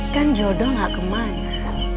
kan jodoh ga kemana